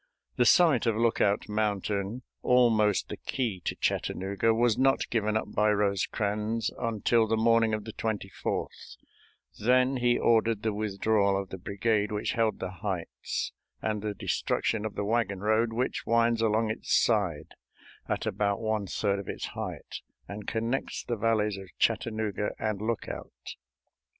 The summit of Lookout Mountain, almost the key to Chattanooga, was not given up by Rosecrans until the morning of the 24th; then he ordered the withdrawal of the brigade which held the heights, and the destruction of the wagon road which winds along its side at about one third of its height and connects the valleys of Chattanooga and Lookout.